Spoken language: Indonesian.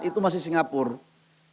itu masih singapura